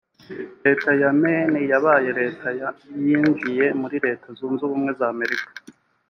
Leta ya Maine yabaye leta ya yinjiye muri Leta Zunze Ubumwe za Amerika